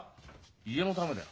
家のためだよ。